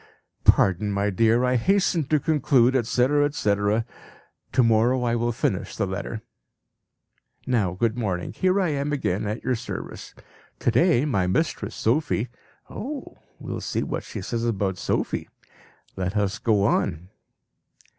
"Pardon, my dear, I hasten to conclude, etc., etc. To morrow I will finish the letter." "Now, good morning; here I am again at your service. To day my mistress Sophie¬Ý..." (Ah! we will see what she says about Sophie. Let us go on!)